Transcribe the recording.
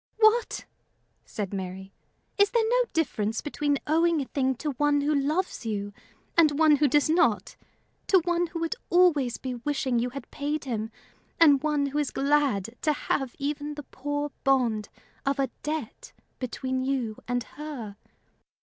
"What!" said Mary, "is there no difference between owing a thing to one who loves you and one who does not? to one who would always be wishing you had paid him and one who is glad to have even the poor bond of a debt between you and her?